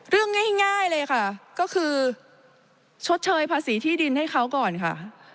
เรื่องง่ายเลยค่ะก็คือชดเชยภาษีที่ดินให้เขาก่อนค่ะ